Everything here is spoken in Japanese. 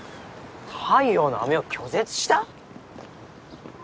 太陽の飴を拒絶した？